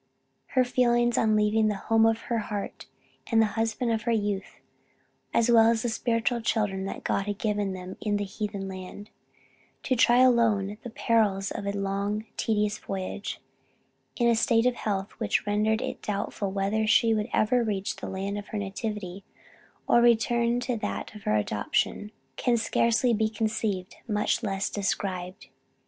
Her feelings on leaving the 'home of her heart,' and the husband of her youth, as well as the spiritual children that God had given them in that heathen land to try alone the perils of a long and tedious voyage, in a state of health which rendered it doubtful whether she would ever reach the land of her nativity, or return to that of her adoption can scarcely be conceived, much less described.